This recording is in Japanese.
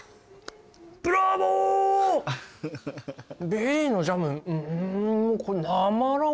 ベリーのジャム。